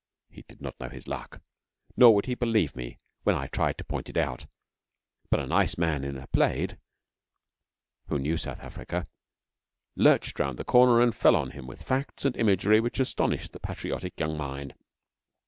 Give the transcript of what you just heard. He did not know his luck, nor would he believe me when I tried to point it out; but a nice man in a plaid (who knew South Africa) lurched round the corner and fell on him with facts and imagery which astonished the patriotic young mind.